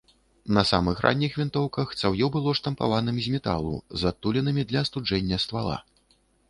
На самых ранніх вінтоўках цаўё было штампаваным з металу, з адтулінамі для астуджэння ствала.